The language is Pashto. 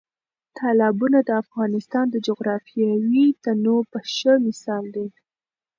تالابونه د افغانستان د جغرافیوي تنوع یو ښه مثال دی.